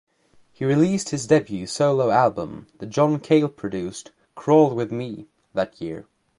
He released his debut solo album, the John Cale-produced "Crawl with Me", that year.